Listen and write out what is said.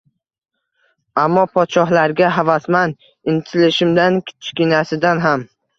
Ammo podshohlarga havasmand intilishimdan kichkinasidan ham